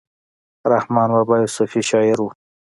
رحمان بابا يو صوفي شاعر وو.